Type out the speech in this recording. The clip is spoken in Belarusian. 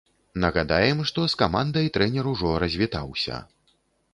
Нагадаем, што з камандай трэнер ужо развітаўся.